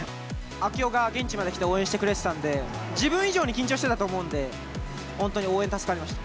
啓代が現地まで来て応援してくれてたんで、自分以上に緊張してたと思うんで、本当に応援助かりました。